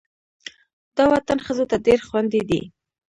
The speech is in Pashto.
دا وطن ښځو ته ډېر خوندي دی.